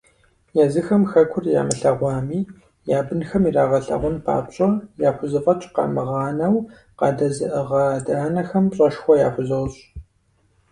Езыхэм хэкур ямылъэгъуами, я бынхэм ирагъэлъагъун папщӏэ яхузэфӏэкӏ къамыгъанэу къадэзыӏыгъа адэ-анэхэм пщӏэшхуэ яхузощӏ!